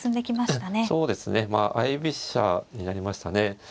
そうですね相居飛車になりましたね。